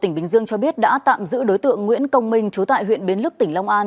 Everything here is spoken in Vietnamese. tỉnh bình dương cho biết đã tạm giữ đối tượng nguyễn công minh trú tại huyện bến lức tỉnh long an